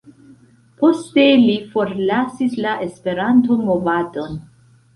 Poste li forlasis la Esperanto-movadon.